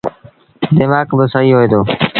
ديمآڪ با سهيٚ هوئي دو۔